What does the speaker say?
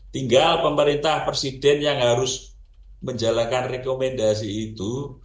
tinggal pemerintah presiden yang harus menjalankan rekomendasi itu